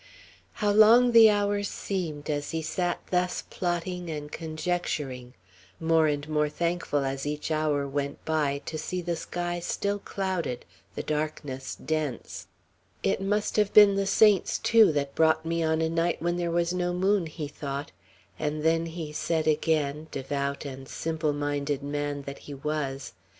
How long the hours seemed as he sat thus plotting and conjecturing; more and more thankful, as each hour went by, to see the sky still clouded, the darkness dense. "It must have been the saints, too, that brought me on a night when there was no moon," he thought; and then he said again, devout and simple minded man that he was.